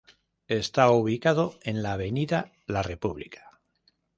Está ubicado en la Avenida La República.